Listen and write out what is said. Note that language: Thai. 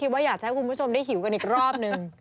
ว่าอยากจะให้คุณผู้ชมได้หิวกันอีกรอบนึง